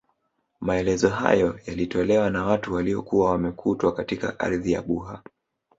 Maelezo hayo yalitolewa na watu waliokuwa wamekutwa katika ardhi ya Buha